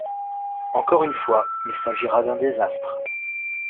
Encore une fois, il s'agira d'un désastre.